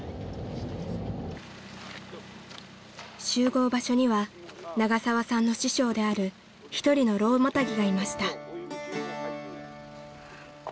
［集合場所には永沢さんの師匠である１人の老マタギがいました］